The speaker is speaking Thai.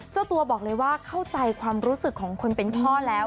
เจ้าตัวบอกเลยว่าเข้าใจความรู้สึกของคนเป็นพ่อแล้ว